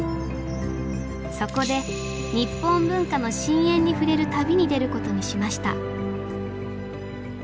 そこで「日本文化の深淵にふれる旅」に出ることにしました